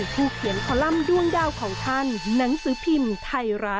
ผู้เขียนคอลัมป์ด้วงดาวของท่านหนังสือพิมพ์ไทยรัฐ